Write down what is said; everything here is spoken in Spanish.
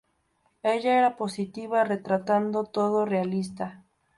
Ella era positiva, retratando todo realista.